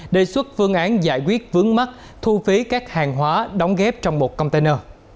đề xuất phương án giải quyết vướng mắt thu phí các hàng hóa đóng góp trong một container